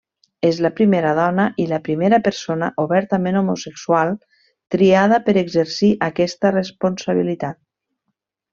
És la primera dona i la primera persona obertament homosexual triada per exercir aquesta responsabilitat.